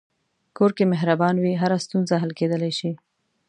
کور که مهربان وي، هره ستونزه حل کېدلی شي.